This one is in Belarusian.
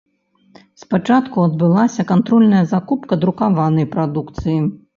Спачатку адбылася кантрольная закупка друкаванай прадукцыі.